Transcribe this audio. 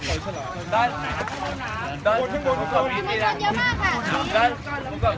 ออมบังกับพูดใส่กล้อง